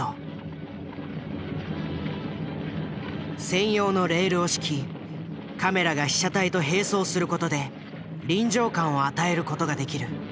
専用のレールを敷きカメラが被写体と並走する事で臨場感を与える事ができる。